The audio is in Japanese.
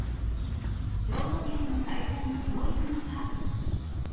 兵庫県の会社に届いたのは。